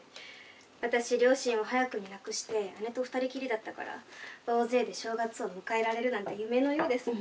「私両親を早くに亡くして姉と２人きりだったから大勢で正月を迎えられるなんて夢のようです